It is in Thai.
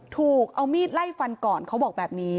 ถูกเอามีดไล่ฟันก่อนเขาบอกแบบนี้